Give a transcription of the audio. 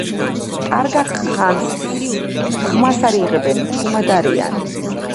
კარგა ხანს ხმას არ იღებენ, ჩუმად არიან,.